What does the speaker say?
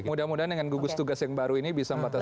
mudah mudahan dengan gugus tugas yang baru ini bisa membatasi